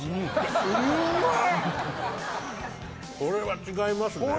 ・これは違いますね